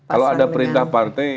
kalau ada perintah partai